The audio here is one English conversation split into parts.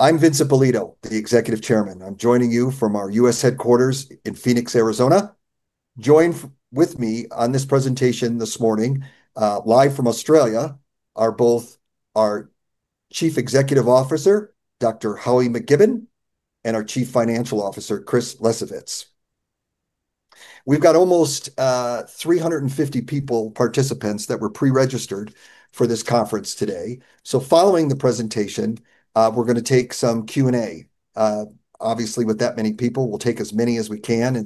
I'm Vince Ippolito, the Executive Chairman. I'm joining you from our U.S. headquarters in Phoenix, Arizona. Joining with me on this presentation this morning live from Australia are both our Chief Executive Officer, Dr. Howie McKibbon, and our Chief Financial Officer, Chris Lesovitz. We've got almost 350 participants that were pre-registered for this conference today. Following the presentation, we're going to take some Q and A. Obviously, with that many people, we'll take as many as we can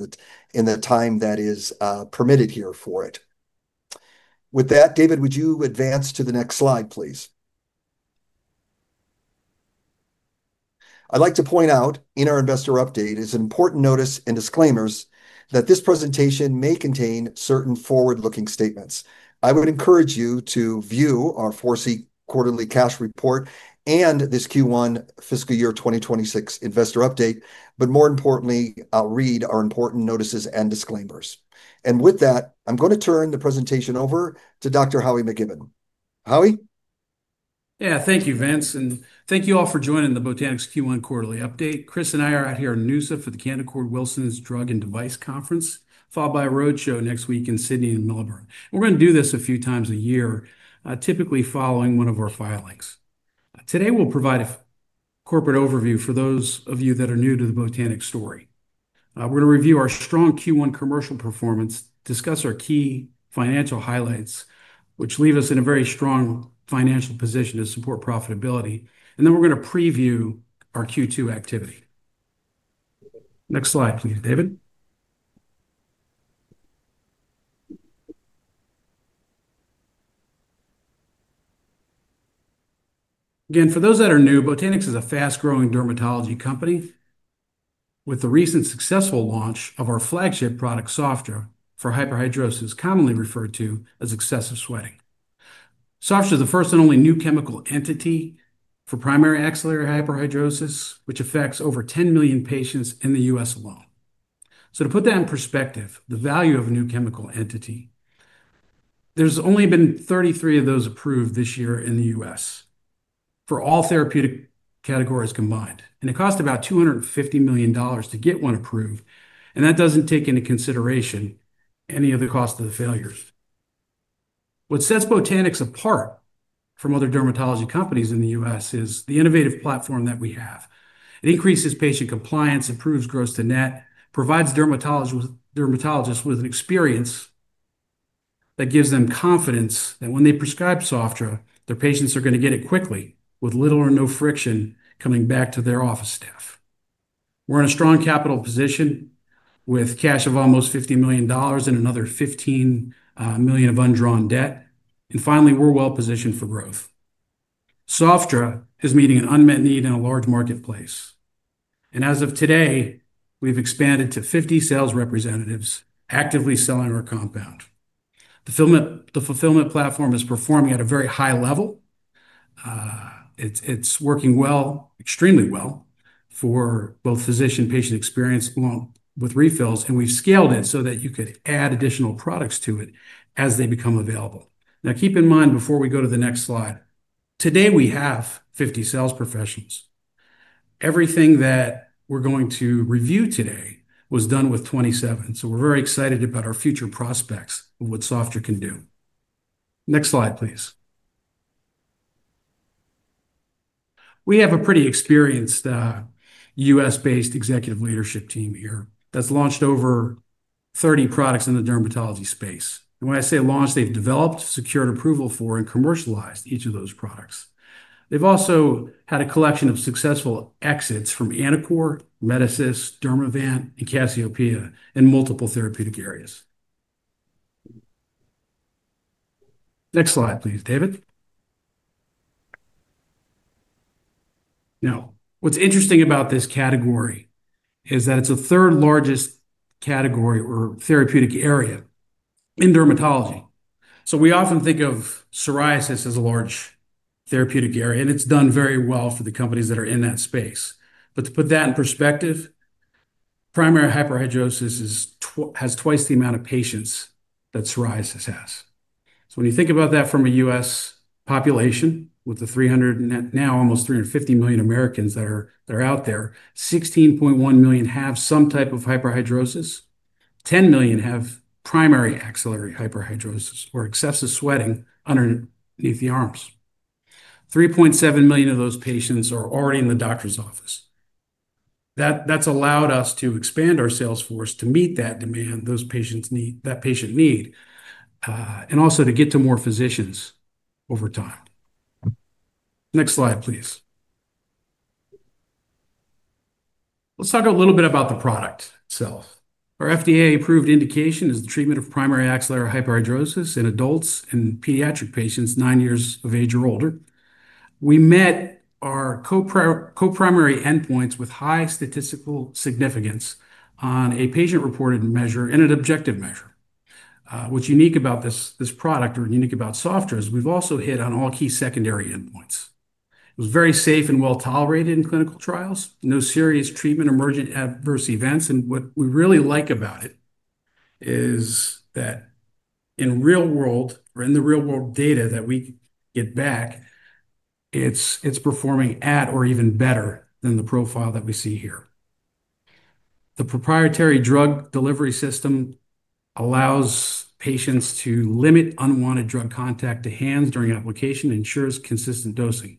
in the time that is permitted here for it. David, would you advance to the next slide please? I'd like to point out in our investor update is an important notice and disclaimers that this presentation may contain certain forward-looking statements. I would encourage you to view our 4C quarterly cash report and this Q1 fiscal year 2026 investor update. More importantly, read our important notices and disclaimers. With that, I'm going to turn the presentation over to Dr. Howie McKibbon. Howie? Yeah. Thank you, Vince. And thank you all for joining the Botanix Q1 quarterly update. Chris and I are out here in Noosa for the Canaccord Wilson's Drug and Device Conference, followed by a road show next week in Sydney and Mel. We're going to do this a few times a year, typically following one of our filings. Today, we'll provide a corporate overview. For those of you that are new to the Botanix story, we're going to review our strong Q1 commercial performance, discuss our key financial highlights which leave us in a very strong financial position to support profitability, and then we're going to preview our Q2 activity. Next slide please, David. Again, for those that are new, Botanix is a fast growing dermatology company. With the recent successful launch of our flagship product, Sofdra for hyperhidrosis, commonly referred to as excessive sweating. Sofdra is the first and only new chemical entity for primary axillary hyperhidrosis, which affects over 10 million patients in the U.S. alone. To put that in perspective, the value of a new chemical entity, there's only been 33 of those approved this year in the U.S. for all therapeutic categories combined. It costs about 250 million dollars to get one approved. That doesn't take into consideration any of the cost of the failures. What sets Botanix apart from other dermatology companies in the U.S. is the innovative platform that we have. It increases patient compliance, improves gross-to-net, provides dermatologists with an experience that gives them confidence that when they prescribe Sofdra, their patients are going to get it quickly with little or no friction coming back to their office staff. We're in a strong capital position with cash of almost 50 million dollars and another 15 million of undrawn debt. Finally, we're well positioned for growth. Sofdra is meeting an unmet need in a large marketplace. As of today, we've expanded to 50 sales representatives actively selling our compound. The fulfillment platform is performing at a very high level. It's working extremely well for both physician and patient experience with refills, and we've scaled it so that you could add additional products to it as they become available. Now keep in mind before we go to the next slide, today we have 50 sales professionals. Everything that we're going to review today was done with 27. We're very excited about our future prospects of what Sofdra can do. Next slide please. We have a pretty experienced U.S.-based executive leadership team here that's launched over 30 products in the dermatology space. When I say launch, they've developed, secured approval for, and commercialized each of those products. They've also had a collection of successful exits from Anacor, Medisis, Dermavant, and Cassiopeia in multiple therapeutic areas. Next slide please, David. Now, what's interesting about this category is that it's the third largest category or therapeutic area in dermatology. We often think of psoriasis as a large therapeutic area and it's done very well for the companies that are in that space. To put that in perspective, primary hyperhidrosis has twice the amount of patients that psoriasis has. When you think about that, from a U.S. population with the 300 million, now almost 350 million Americans that are out there, 16.1 million have some type of hyperhidrosis. 10 million have primary axillary hyperhidrosis or excessive sweating underneath the arms. 3.7 million of those patients are already in the doctor's office. That's allowed us to expand our sales force to meet that demand, those patients' need, and also to more physicians over time. Next slide please. Let's talk a little bit about the product itself. Our FDA-approved indication is the treatment of primary axillary hyperhidrosis in adults and pediatric patients 9 years of age or older. We met our co-primary endpoints with high statistical significance on a patient-reported measure. In an objective measure, what's unique about this product or unique about Sofdra is we've also hit on all key secondary endpoints. It was very safe and well tolerated in clinical trials. No serious treatment-emergent adverse events. What we really like about it is that in real-world data that we get back, it's performing at or even better than the profile that we see here. The proprietary drug delivery system allows patients to limit unwanted drug contact to hands during application and ensures consistent dosing.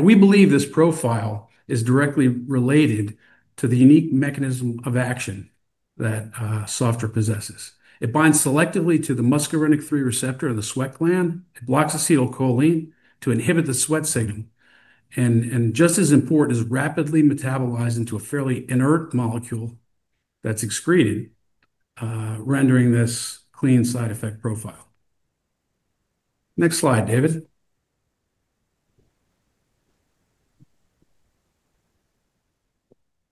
We believe this profile is directly related to the unique mechanism of action that Sofdra possesses. It binds selectively to the muscarinic 3 receptor of the sweat gland. It blocks acetylcholine to inhibit the sweat signal and, just as important, is rapidly metabolizing to a fairly inert molecule that's excreted, rendering this clean side effect profile. Next slide. David,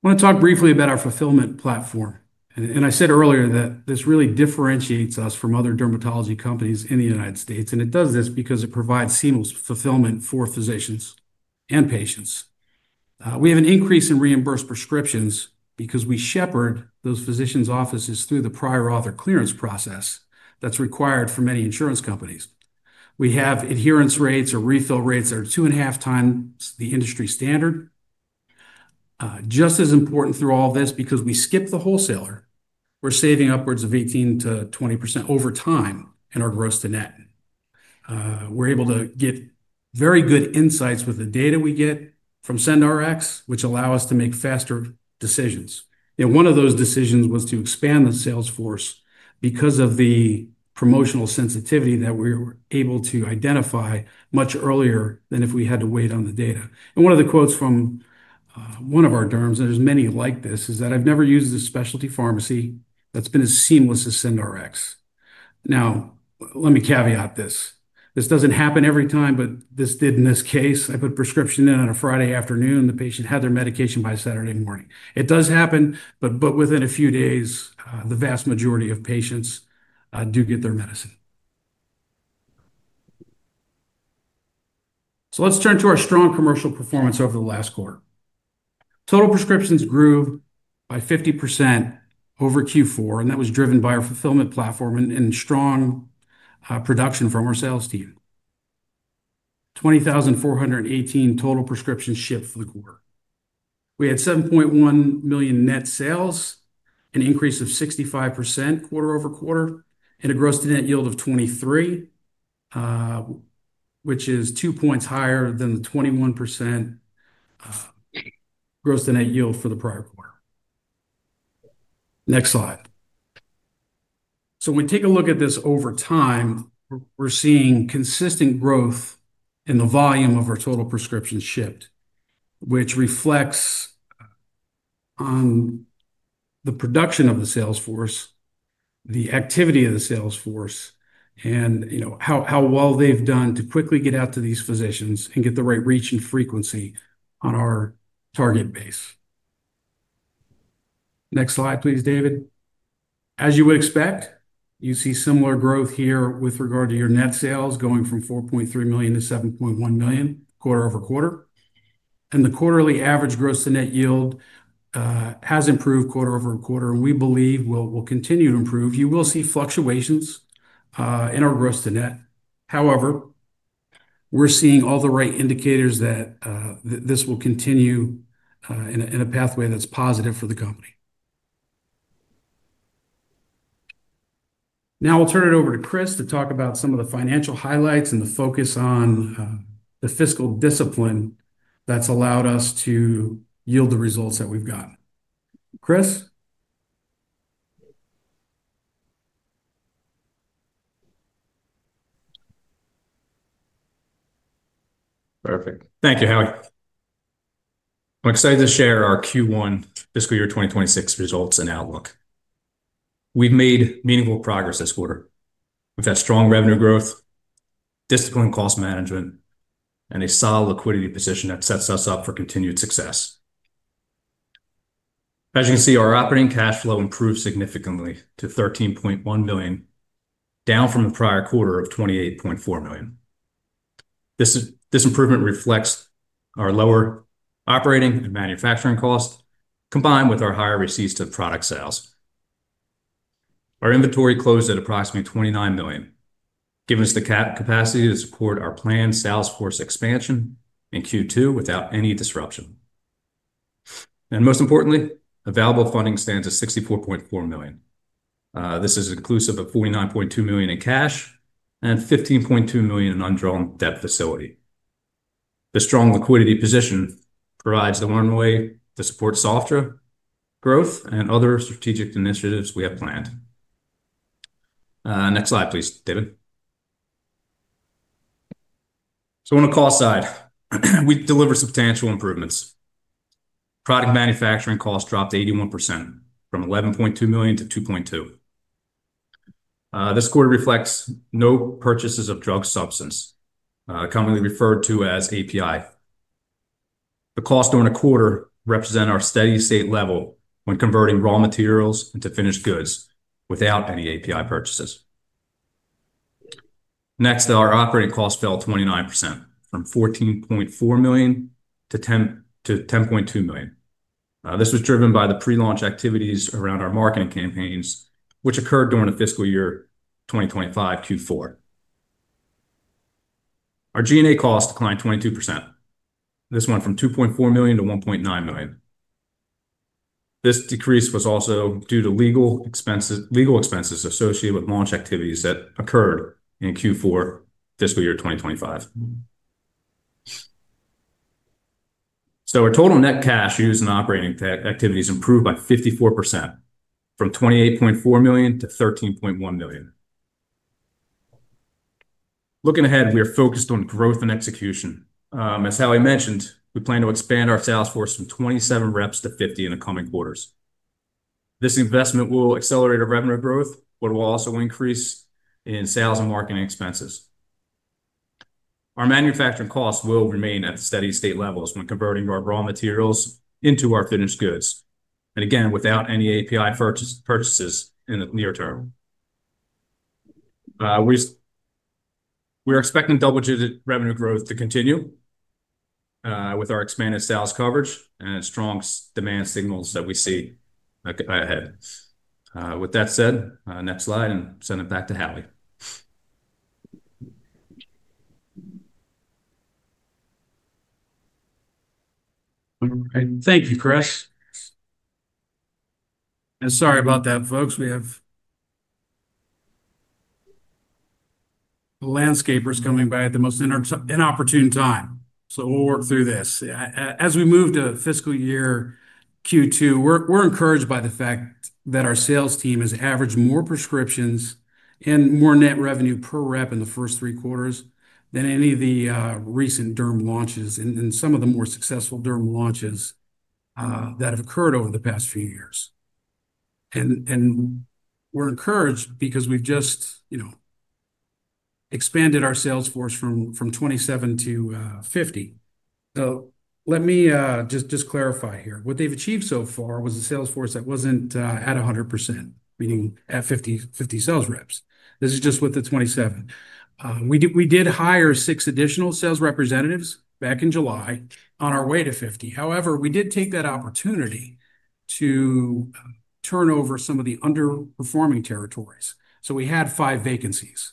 I want to talk briefly about our fulfillment platform. I said earlier that this really differentiates us from other dermatology companies in the United States. It does this because it provides seamless fulfillment for physicians and patients. We have an increase in reimbursed prescriptions because we shepherd those physicians' offices through the prior author clearance process that's required for many insurance companies. We have adherence rates or refill rates that are two and a half times the industry standard. Just as important through all this, because we skip the wholesaler, we're saving upwards of 18%-20% over time in our gross-to-net. We're able to get very good insights with the data we get from CyndRx, which allow us to make faster decisions. One of those decisions was to expand the sales force because of the promotional sensitivity that we were able to identify much earlier than if we had to wait on the data. One of the quotes from one of our derms, there's many like this, is that I've never used a specialty pharmacy that's been as seamless as CyndRx. Let me caveat this. This doesn't happen every time, but this did in this case. I put prescription in on a Friday afternoon. The patient had their medication by Saturday morning. It does happen, but within a few days, the vast majority of patients do get their medicine. Let's turn to our strong commercial performance. Over the last quarter, total prescriptions grew by 50% over Q4. That was driven by our fulfillment platform and strong production from our sales team. 20,418 total prescriptions shipped. For the quarter, we had 7.1 million net sales, an increase of 65% quarter over quarter and a gross-to-net yield of 23%, which is 2 points higher than the 21% gross-to-net yield for the prior quarter. Next slide. When we take a look at this over time, we're seeing consistent growth in the volume of our total prescriptions shipped, which reflects on the production of the sales force, the activity of the sales force, and how well they've done to quickly get out to these physicians and get the right reach and frequency on our target base. Next slide please, David. As you would expect, you see similar growth here with regard to your net sales going from 4.3 million to 7.1 million quarter over quarter, and the quarterly average gross-to-net yield has improved quarter over quarter and we believe will continue to improve. You will see fluctuations in our gross-to-net. However, we're seeing all the right indicators that this will continue in a pathway that's positive for the company. Now we'll turn it over to Chris to talk about some of the financial highlights and the focus on the fiscal discipline that's allowed us to yield the results that we've got. Chris? Perfect. Thank you, Howie. I'm excited to share our Q1 fiscal year 2026 results and outlook. We've made meaningful progress this quarter. We've had strong revenue growth, disciplined cost management, and a solid liquidity position that sets us up for continued success. As you can see, our operating cash flow improved significantly to 13.1 million, down from the prior quarter of 28.4 million. This improvement reflects our lower operating and manufacturing cost combined with our higher receipts to product sales. Our inventory closed at approximately 29 million, giving us the capacity to support our planned Salesforce expansion in Q2 without any disruption. Most importantly, available funding stands at 64.4 million. This is inclusive of 49.2 million in cash and 15.2 million in undrawn debt facility. The strong liquidity position provides the runway to support Sofdra growth and other strategic initiatives we have planned. Next slide please, David. On the cost side, we delivered substantial improvements. Product manufacturing costs dropped 81% from 11.2 million to 2.2 million. This quarter reflects no purchases of drug substance, commonly referred to as API. The costs during the quarter represent our steady state level when converting raw materials into finished goods without any API purchases. Our operating cost fell 29% from 14.4 million to 10.2 million. This was driven by the pre-launch activities around our marketing campaigns which occurred during fiscal year 2025 Q4. Our G&A cost declined 22%. This went from 2.4 million to 1.9 million. This decrease was also due to legal expenses associated with launch activities that occurred in Q4 fiscal year 2025. Our total net cash used in operating activities improved by 54% from 28.4 million to 13.1 million. Looking ahead, we are focused on growth and execution as Howie mentioned. We plan to expand our sales force from 27 reps to 50 in the coming quarters. This investment will accelerate our revenue growth but will also increase sales and marketing expenses. Our manufacturing costs will remain at steady state levels when converting our raw materials into our finished goods, and again without any API purchases in the near term. We're expecting double-digit revenue growth to continue with our expanded sales coverage and strong demand signals that we see ahead. With that said, next slide and send it back to Howie. Thank you, Chris, and sorry about that, folks. We have landscapers coming by at the most inopportune time, so we'll work through this as we move to fiscal year Q2. We're encouraged by the fact that our sales team has averaged more prescriptions and more net revenue per rep in the first three quarters than any of the recent derm launches and some of the more successful derm launches that have occurred over the past few years. We're encouraged because we've just expanded our sales force from 27-50. Let me just clarify here. What they've achieved so far was a sales force that wasn't at 100%, meaning at 50 sales reps. This is just with the 27. We did hire six additional sales representatives back in July on our way to 50. However, we did take that opportunity to turn over some of the underperforming territories. We had five vacancies.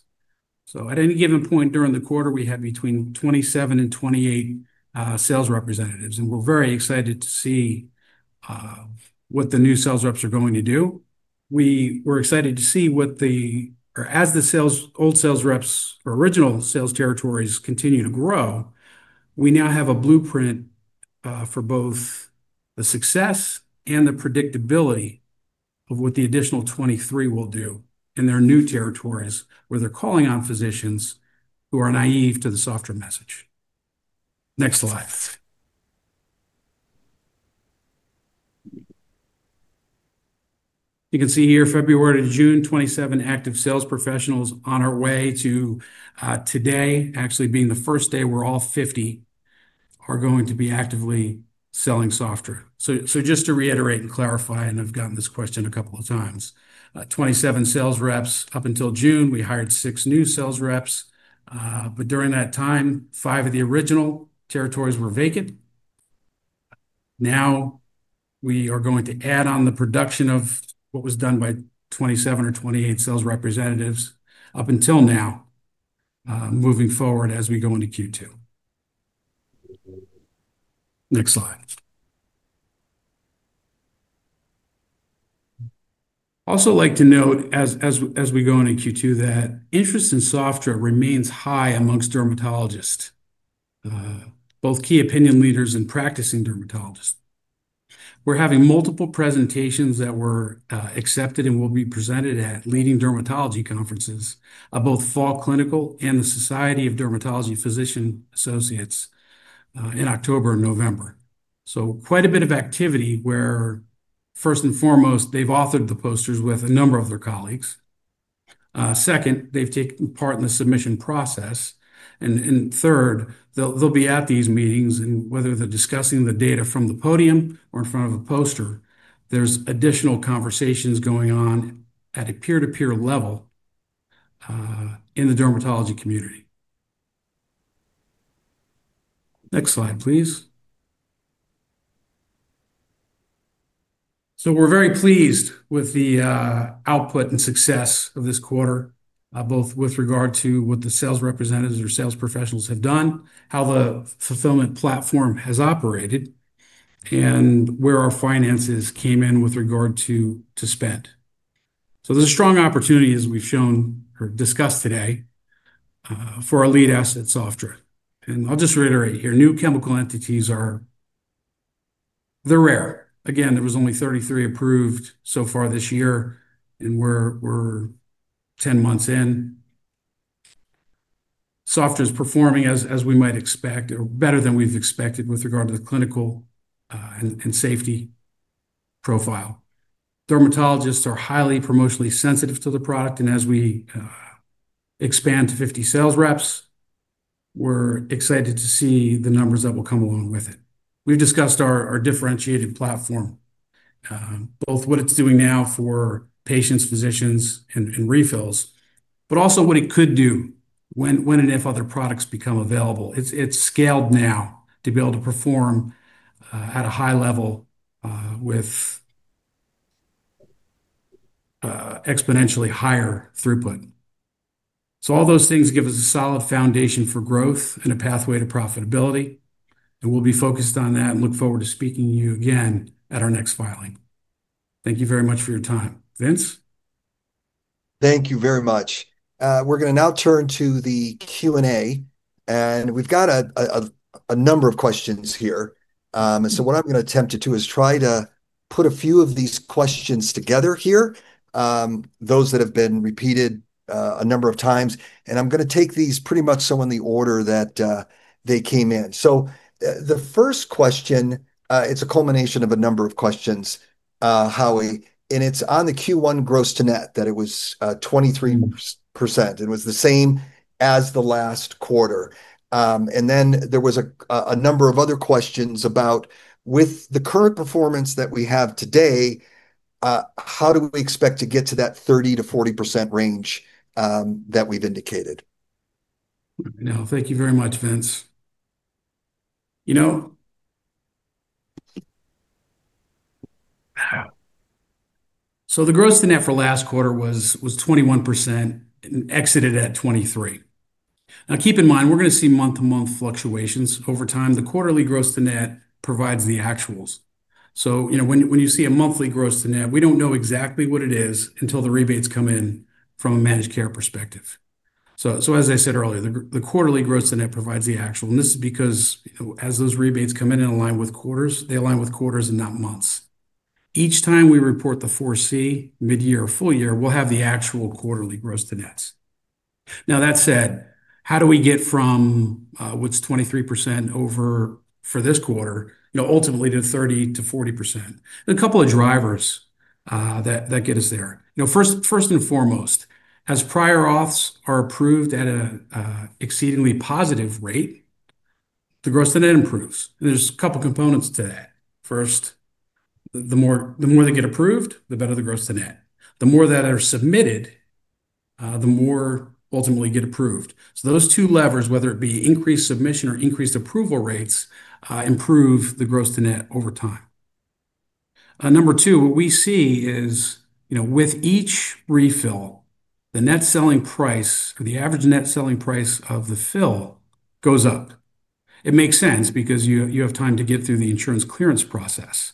At any given point during the quarter, we had between 27 and 28 sales representatives. We're very excited to see what the new sales reps are going to do. We were excited to see as the original sales reps' territories continue to grow. We now have a blueprint for both the success and the predictability of what the additional 23 will do in their new territories where they're calling on physicians who are naive to the Sofdra message. Next slide. You can see here February to June, 27 active sales professionals on our way to today actually being the first day where all 50 are going to be actively selling Sofdra. Just to reiterate and clarify, and I've gotten this question a couple of times, 27 sales reps up until June, we hired six new sales reps, but during that time five of the original territories were vacant. Now we are going to add on the production of what was done by 27 or 28 sales representatives up until now, moving forward as we go into Q2. Next slide. I'd also like to note as we go on in Q2 that interest in Sofdra remains high amongst dermatologists, both key opinion leaders and practicing dermatologists. We're having multiple presentations that were accepted and will be presented at leading dermatology conferences, both Fall Clinical and the Society of Dermatology Physician Associates in October and November. Quite a bit of activity where first and foremost they've authored the posters with a number of their colleagues, second, they've taken part in the submission process, and third, they'll be at these meetings and whether they're discussing the data from the podium or in front of a poster, there's additional conversations going on at a peer to peer level in the dermatology community. Next slide please. We're very pleased with the output and success of this quarter, both with regard to what the sales representatives or sales professionals have done, how the fulfillment platform has operated, and where our finances came in with regard to spend. There's a strong opportunity, as we've shown or discussed today, for Elite Asset Sofdra. I'll just reiterate here, new chemical entities are rare. There were only 33 approved so far this year and we're 10 months in. Sofdra is performing as we might expect or better than we've expected with regard to the clinical and safety profile. Dermatologists are highly promotionally sensitive to the product and as we expand to 50 sales reps, we're excited to see the numbers that will come along with it. We've discussed our differentiated platform, both what it's doing now for patients, physicians, and refills, but also what it could do when and if other products become available. It's scaled now to be able to perform at a high level with exponentially higher throughput. All those things give us a solid foundation for growth and a pathway to profitability and we'll be focused on that and look forward to speaking to you again at our next filing. Thank you very much for your time, Vince. Thank you very much. We're going to now turn to the Q and A and we've got a number of questions here. What I'm going to attempt to do is try to put a few of these questions together here, those that have been repeated a number of times. I'm going to take these pretty much in the order that they came in. The first question is a culmination of a number of questions, Howie, and it's on the Q1 gross-to-net that it was 23% and was the same as the last quarter. There was a number of other questions about, with the current performance that we have today, how do we expect to get to that 30%-40% range that we've indicated now? Thank you very much, Vince. The gross-to-net for last quarter was 21% and exited at 23%. Keep in mind, we're going to see month-to-month fluctuations over time. The quarterly gross-to-net provides the actuals. When you see a monthly gross-to-net, we don't know exactly what it is until the rebates come in from a managed care perspective. As I said earlier, the quarterly gross-to-net provides the actual. This is because as those rebates come in and align with quarters, they align with quarters and not months. Each time we report the 4C mid-year or full year, we'll have the actual quarterly gross-to-nets. Now, that said, how do we get from what's 23% over for this quarter, ultimately to 30%-40%? A couple of drivers get us there. First and foremost, as prior auths are approved at an exceedingly positive rate, the gross-to-net improves. There are a couple of components to that. The more they get approved, the better the gross-to-net. The more that are submitted, the more ultimately get approved. Those two levers, whether it be increased submission or increased approval rates, improve the gross-to-net over time. Number two, what we see is with each refill, the net selling price, the average net selling price of the fill goes up. It makes sense because you have time to get through the insurance clearance process,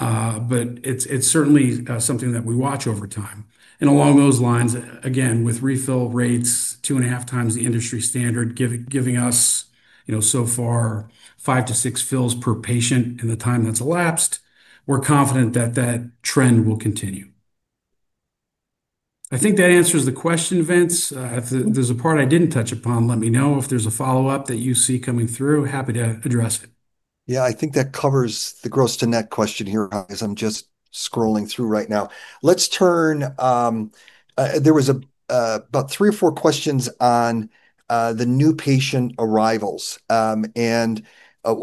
but it's certainly something that we watch over time. Along those lines, with refill rates 2.5x the industry standard, giving us so far five to six fills per patient in the time that's elapsed, we're confident that that trend will continue. I think that answers the question, Vince. There's a part I didn't touch upon. Let me know if there's a follow-up that you see coming through. Happy to address. Yeah, I think that covers the gross-to-net question here as I'm just scrolling through right now. Let's turn. There was about three or four questions on the new patient arrivals and a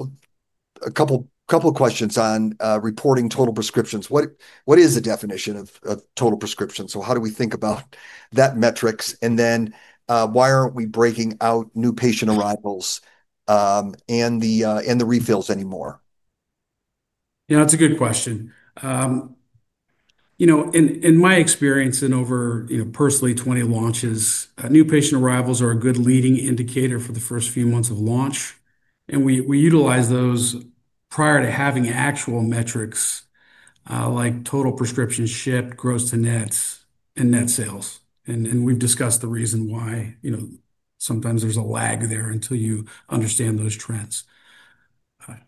couple questions on reporting total prescriptions. What is the definition of total prescription? How do we think about that metric? Why aren't we breaking out new patient arrivals and the refills anymore? Yeah, that's a good question. In my experience, in over, you know, personally, 20 launches, new patient arrivals are a good leading indicator for the first few months of launch. We utilize those prior to having actual metrics like total prescriptions shipped, gross-to-net yield, and net sales. We've discussed the reason why. Sometimes there's a lag there until you understand those trends.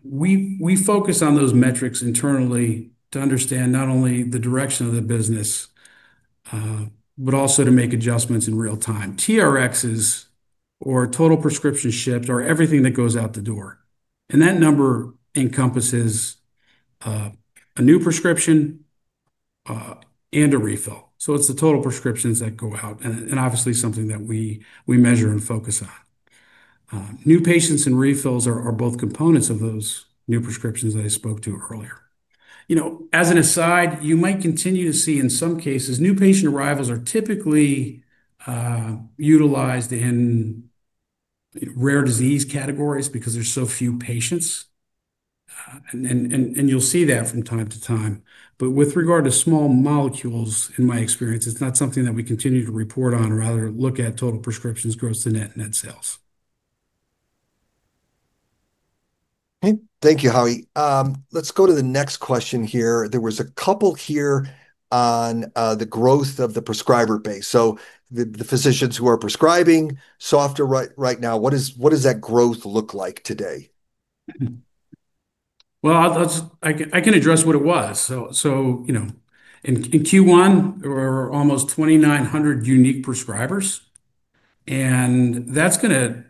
We focus on those metrics internally to understand not only the direction of the business, but also to make adjustments in real time. TRXs or total prescriptions shipped are everything that goes out the door. That number encompasses a new prescription and a refill, so it's the total prescriptions that go out. Obviously, that's something that we measure and focus on. New patients and refills are both components of those new prescriptions that I spoke to earlier. As an aside, you might continue to see in some cases, new patient arrivals are typically utilized in rare disease categories because there's so few patients, and you'll see that from time to time. With regard to small molecules, in my experience, it's not something that we continue to report on. Rather, look at total prescriptions, gross-to-net yield, net sales. Thank you, Howie. Let's go to the next question here. There was a couple here on the growth of the prescriber base. The physicians who are prescribing Sofdra right now, what does that growth look like today? I can address what it was. In Q1, there were almost 2,900 unique prescribers. That is going to,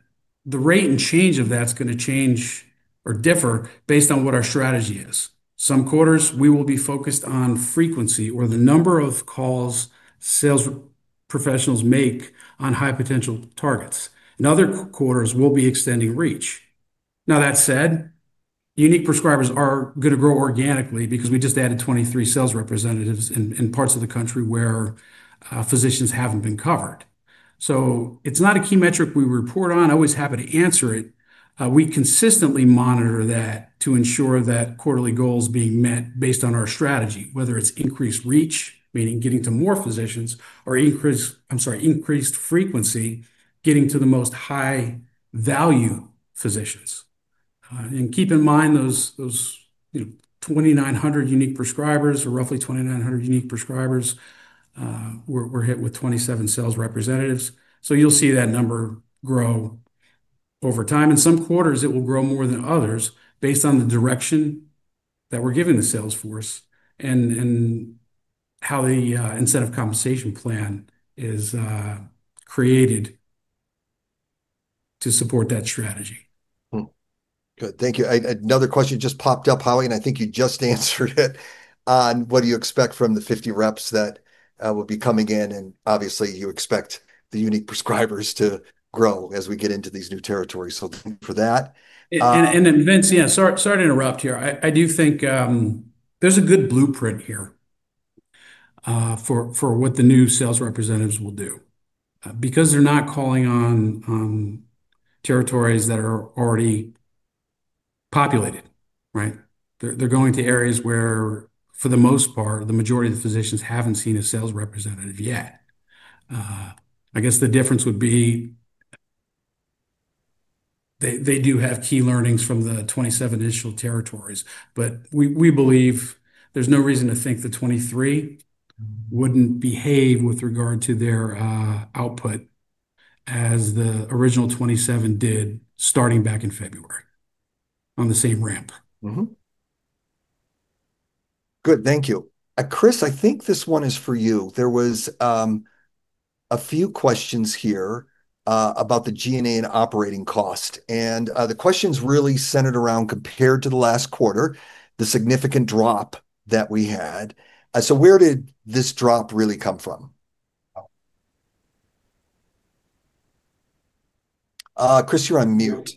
the rate and change of that is going to change or differ based on what our strategy is. Some quarters we will be focused on frequency or the number of calls sales professionals make on high potential targets. Other quarters we'll be extending reach. That said, unique prescribers are going to grow organically because we just added 23 sales representatives in parts of the country where physicians haven't been covered. It's not a key metric we report on. Always happy to answer it. We consistently monitor that to ensure that quarterly goals are being met based on our strategy, whether it's increased reach, meaning getting to more physicians, or increased frequency, getting to the most high value physicians. Keep in mind those 2,900 unique prescribers, or roughly 2,900 unique prescribers, were hit with 27 sales representatives. You'll see that number grow over time. In some quarters it will grow more than others based on the direction that we're giving the sales force and how the incentive compensation plan is created to support that strategy. Good, thank you. Another question just popped up, Howie, and I think you just answered it on what do you expect from the 50 reps that will be coming in? You expect the unique prescribers to grow as we get into these new territories. Thank you for that. Sorry to interrupt here. I do think there's a good blueprint here for what the new sales representatives will do because they're not calling on territories that are already populated. They're going to areas where for the most part the majority of the physicians haven't seen a sales representative yet. I guess the difference would be they do have key learnings from the 27 initial territories. We believe there's no reason to think the 23 wouldn't behave with regard to their output as the original 27 did starting back in February on the same ramp. Good, thank you. Chris, I think this one is for you. There were a few questions here about the G&A and operating cost, and the questions really centered around, compared to the last quarter, the significant drop that we had. Where did this drop really come from? Chris, you're on mute.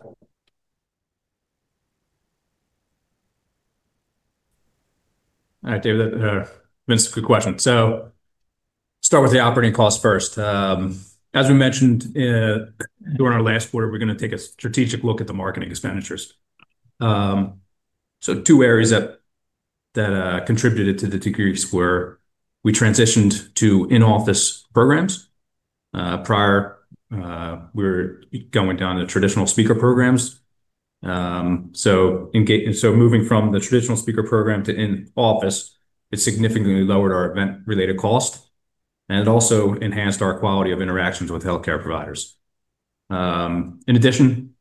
All right, David, Vince, good question. Start with the operating cost first. As we mentioned during our last quarter, we're going to take a strategic look at the marketing expenditures. Two areas that contributed to the degree square we transitioned to in-office programs. Prior, we were going down to traditional speaker programs. Moving from the traditional speaker program to in-office, it significantly lowered our event-related cost and it also enhanced our quality of interactions with healthcare providers. In addition,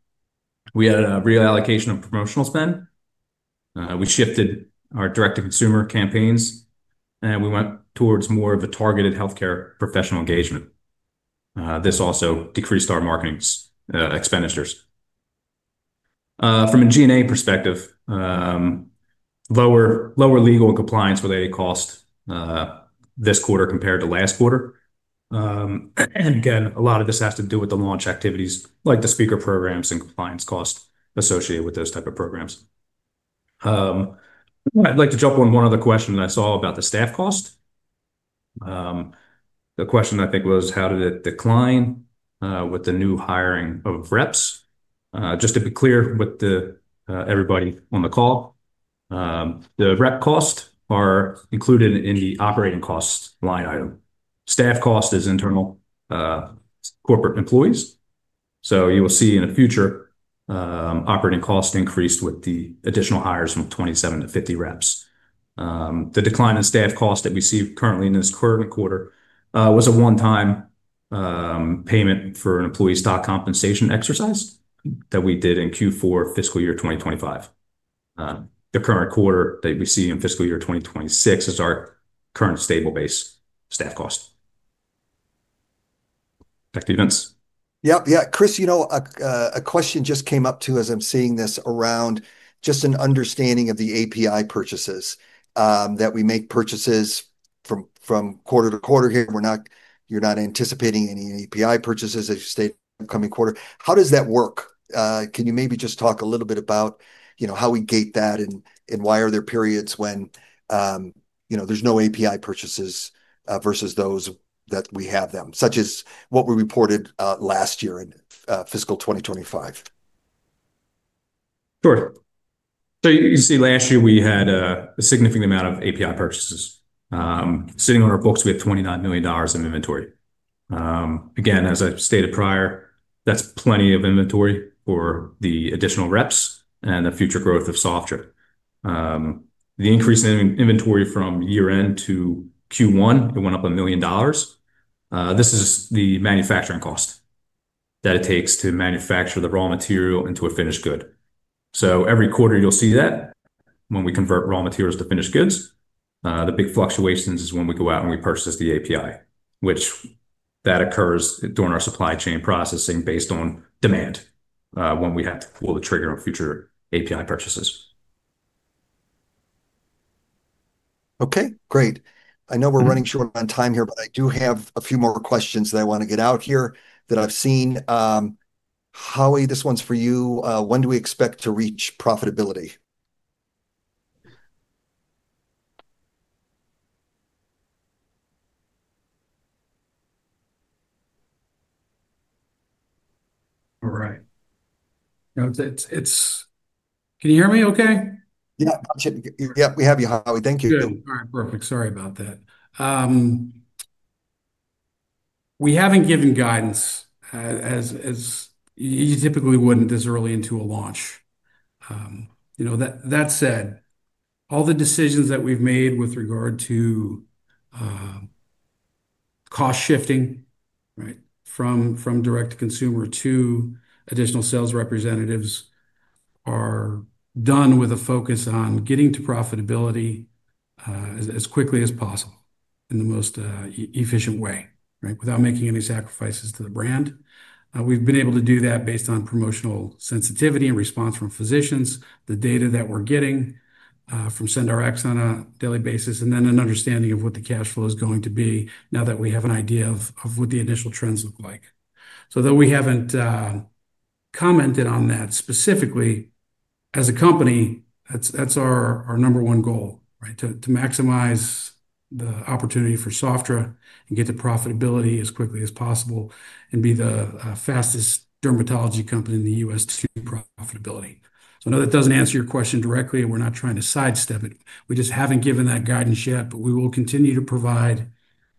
we had a reallocation of promotional spend, we shifted our direct-to-consumer campaigns and we went towards more of a targeted healthcare professional engagement. This also decreased our marketing expenditures. From a G&A perspective, lower legal and compliance-related cost this quarter compared to last quarter. A lot of this has to do with the launch activities like the speaker programs and compliance cost associated with those type of programs. I'd like to jump on one other question I saw about the staff cost. The question I think was how did it decline with the new hiring of reps? Just to be clear with everybody on the call, the rep cost are included in the operating cost line item. Staff cost is internal corporate employees. You will see in the future operating cost increased with the additional hires from 27-50 reps. The decline in staff cost that we see currently in this current quarter was a one-time payment for an employee stock compensation exercise that we did in Q4, fiscal year 2025. The current quarter that we see in fiscal year 2026 is our current stable base staff cost. Back to you, Vince. Yeah, Chris, a question just came up too as I'm seeing this around. Just an understanding of the API purchases that we make. Purchases from quarter to quarter here. You're not anticipating any API purchases as you state upcoming quarter. How does that work? Can you maybe just talk a little bit about how we gate that and why are there periods when there's no API purchases versus those that we have them, such as what we reported last year in fiscal 2025. Sure. You see, last year we had a significant amount of API purchases sitting on our books. We have 29 million dollars of inventory. Again, as I stated prior, that's plenty of inventory for the additional reps and the future growth of Sofdra. The increase in inventory from year end to Q1 went up 1 million dollars. This is the manufacturing cost that it takes to manufacture the raw material into a finished good. Every quarter you'll see that when we convert raw materials to finished goods, the big fluctuations are when we go out and we purchase the API. That occurs during our supply chain processing based on demand, when we have to pull the trigger on future API purchases. Okay, great. I know we're running short on time here, but I do have a few more questions that I want to get out here that I've seen. Howie, this one's for you. When do we expect to reach profitability? All right. Can you hear me okay? Yeah, yeah, we have you now. Thank you. All right, perfect. Sorry about that. We haven't given guidance, as you typically wouldn't this early into a launch. That said, all the decisions that we've made with regard to cost shifting, right, from direct to consumer to additional sales representatives, are done with a focus on getting to profitability as quickly as possible in the most efficient way. Without making any sacrifices to the brand, we've been able to do that based on promotional sensitivity and response from physicians, the data that we're getting from CyndRx on a daily basis, and then an understanding of what the cash flow is going to be now that we have an idea of what the initial trends look like. Though we haven't commented on that specifically as a company, that's our number one goal, to maximize the opportunity for Sofdra and get the profitability as quickly as possible and be the fastest dermatology company in the U.S. to profitability. I know that doesn't answer your question directly. We're not trying to sidestep it. We just haven't given that guidance yet. We will continue to provide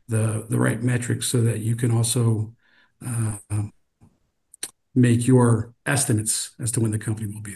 the right metrics so that you can also make your estimates as to when the company will be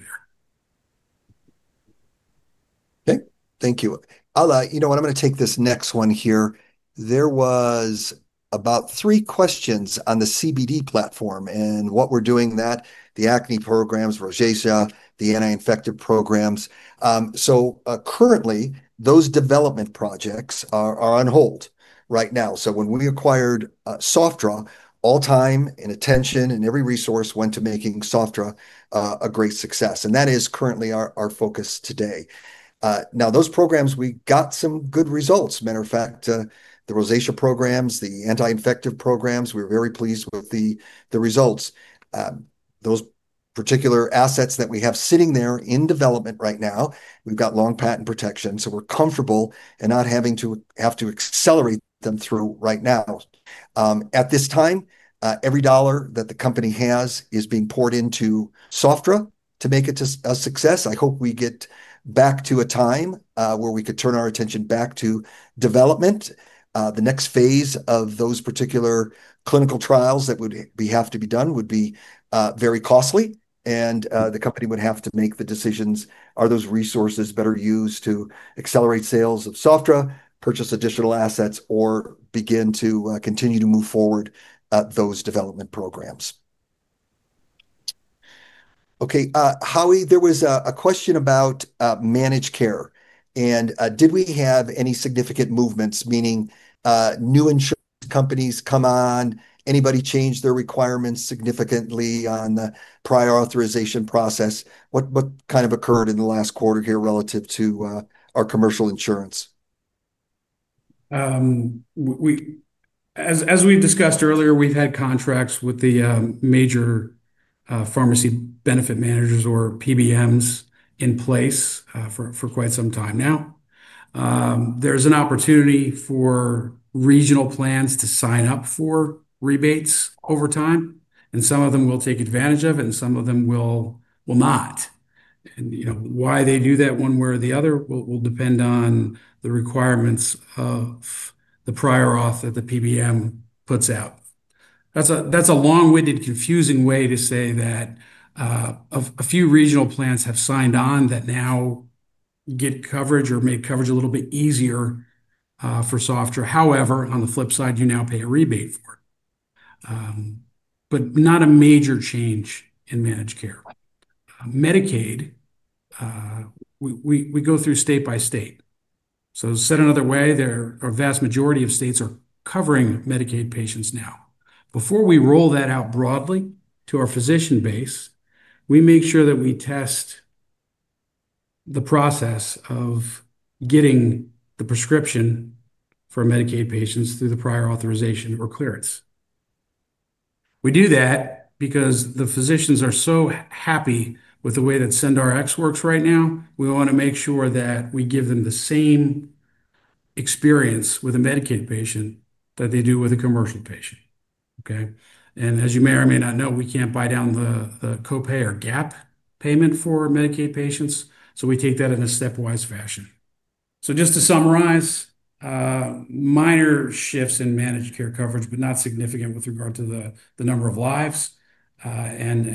there. Okay, thank you. You know what, I'm going to take this next one here. There was about three questions on the CBD platform and what we're doing with the acne programs, rosacea, the anti-infective programs. Currently those development projects are on hold right now. When we acquired Sofdra, all time and attention and every resource went to making Sofdra a great success. That is currently our focus today. Now those programs, we got some good results. Matter of fact, the rosacea programs, the anti-infective programs, we're very pleased with the results. Those particular assets that we have sitting there in development right now, we've got long patent protection, so we're comfortable not having to accelerate them through right now. At this time, every dollar that the company has is being poured into Sofdra to make it a success. I hope we get back to a time where we could turn our attention back to development. The next phase of those particular clinical trials that would have to be done would be very costly and the company would have to make the decisions. Are those resources better used to accelerate sales of Sofdra, purchase additional assets, or begin to continue to move forward those development programs? Okay, Howie, there was a question about managed care and did we have any significant movements, meaning new insurance companies? Did anybody change their requirements significantly on the prior authorization process? What kind of occurred in the last quarter here relative to our commercial insurance? As we discussed earlier, we've had contracts with the major pharmacy benefit managers or PBMs in place for quite some time now. There's an opportunity for regional plans to sign up for rebates over time and some of them will take advantage of it and some of them will not. Why they do that one way or the other will depend on the requirements of the prior auth that the PBM puts out. That's a long-winded, confusing way to say that a few regional plans have signed on that now get coverage or make coverage a little bit easier for Sofdra. However, on the flip side, you now pay a rebate for it, but not a major change in managed care. Medicaid, we go through state by state. Said another way, the vast majority of states are covering Medicaid patients. Before we roll that out broadly to our physician base, we make sure that we test the process of getting the prescription for Medicaid patients through the prior authorization or clearance. We do that because the physicians are so happy with the way that CyndRx works right now we want to make sure that we give them the same experience with a Medicaid patient that they do with a commercial patient. As you may or may not know, we can't buy down the co-pay or gap payment for Medicaid patients. We take that in a stepwise fashion. Just to summarize, minor shifts in managed care coverage, but not significant with regard to the number of lives, and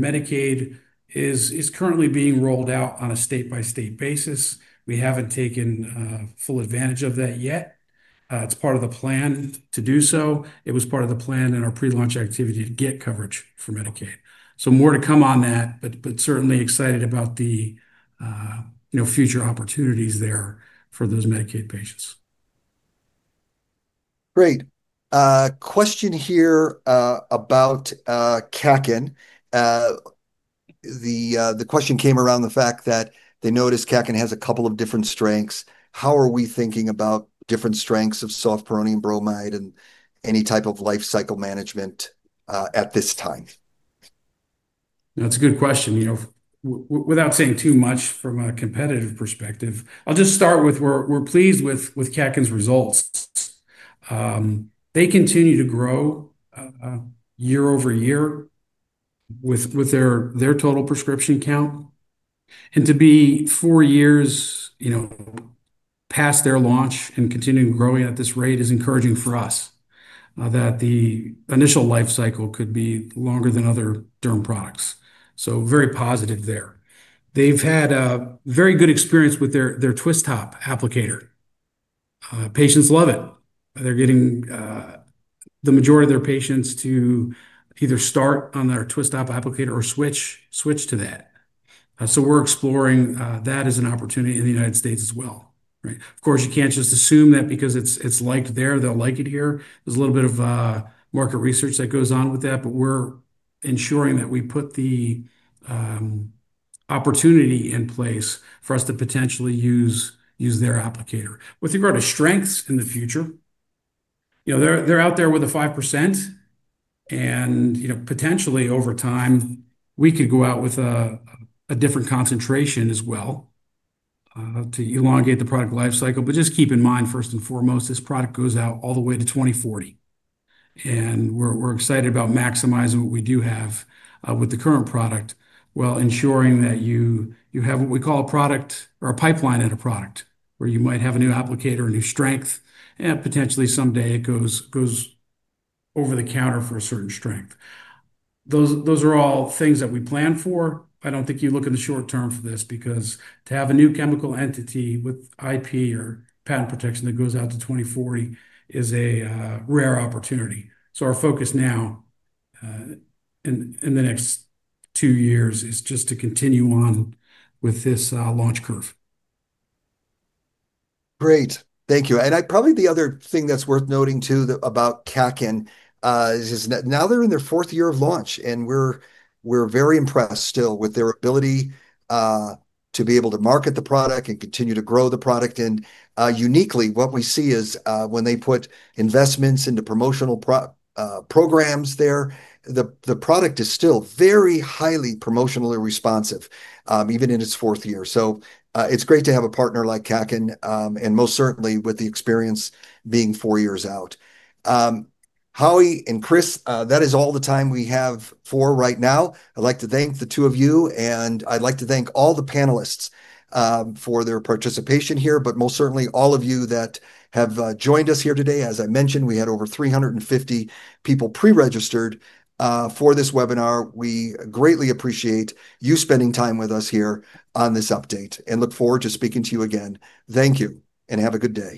Medicaid is currently being rolled out on a state-by-state basis. We haven't taken full advantage of that yet. It's part of the plan to do so. It was part of the plan in our prelaunch activity to get coverage for Medicaid. More to come on that, but certainly excited about the future opportunities there for those Medicaid patients. Great question here about Sofdra. The question came around the fact that they noticed Sofdra has a couple of different strengths. How are we thinking about different strengths of sofpironium bromide and any type of life cycle management at this time? That's a good question. You know, without saying too much from a competitive perspective, I'll just start with we're pleased with Catkins results. They continue to grow year over year with their total prescription count and to be four years past their launch and continuing growing at this rate is encouraging for us that the initial life cycle could be longer than other derm products. Very positive there. They've had a very good experience with their twist top applicator. Patients love it. They're getting the majority of their patients to either start on their twist top applicator or switch to that. We're exploring that as an opportunity in the United States as well. Of course, you can't just assume that because it's like there, they'll like it here. There's a little bit of market research that goes on with that. We're ensuring that we put the opportunity in place for us to potentially use their applicator with regard to strengths in the future. They're out there with a 5% and potentially over time we could go out with a different concentration as well to elongate the product life cycle. Just keep in mind, first and foremost, this product goes out all the way to 2040. We're excited about maximizing what we do have with the current product while ensuring that you have what we call a product or a pipeline in a product where you might have a new applicator, a new strength, and potentially someday it goes over the counter for a certain strength. Those are all things that we plan for. I don't think you look in the short term for this because to have a new chemical entity with IP or patent protection that goes out to 2040 is a rare opportunity. Our focus now in the next two years is just to continue on with this launch curve. Great, thank you. I think the other thing that's worth noting too about Kaken is now they're in their fourth year of launch, and we're very impressed still with their ability to be able to market the product and continue to grow the product. Uniquely, what we see is when they put investments into promotional programs there, the product is still very highly promotionally responsive, even in its fourth year. It's great to have a partner like Kaken, most certainly with the experience being four years out. Howie and Chris, that is all the time we have for right now. I'd like to thank the two of you, and I'd like to thank all the panelists for their participation here, but most certainly all of you that have joined us here today. As I mentioned, we had over 350 people pre-registered for this webinar. We greatly appreciate you spending time with us here on this update and look forward to speaking to you again. Thank you and have a good day.